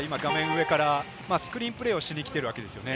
スクリーンプレーをしに来てるわけですよね。